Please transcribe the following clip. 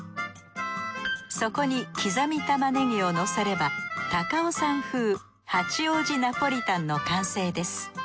そこに刻み玉ねぎを乗せれば高尾山風八王子ナポリタンの完成です。